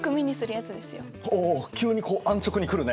おお急にこう安直に来るね。